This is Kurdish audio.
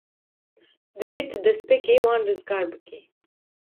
Divê tu destpêkê wan rizgar bikî.